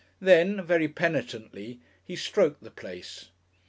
Then, very penitently, he stroked the place.